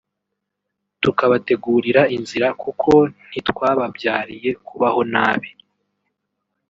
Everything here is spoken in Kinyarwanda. tukabategurira inzira kuko ntitwababyariye kubaho nabi